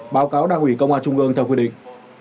báo cáo đảng ủy công an trung ương theo quy định